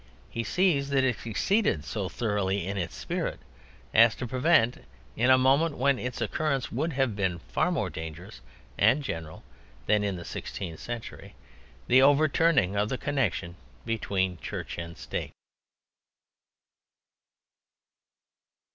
He sees that it succeeded so thoroughly in its spirit as to prevent, in a moment when its occurrence would have been far more dangerous and general than in the sixteenth century, the overturning of the connection between Church and State.